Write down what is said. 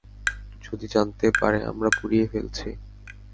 যদি জানতে পারে আমরা পুড়িয়ে ফেলছি।